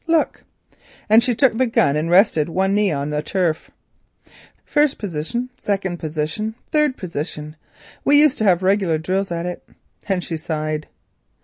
Look," and she took the gun and rested one knee on the turf; "first position, second position, third position. We used to have regular drills at it," and she sighed.